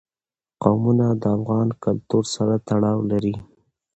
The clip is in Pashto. قومونه د افغان کلتور سره تړاو لري.